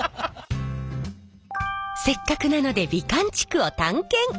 せっかくなので美観地区を探検！